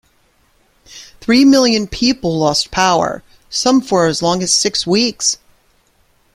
Three million people lost power, some for as long as six weeks.